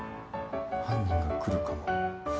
犯人が来るかも。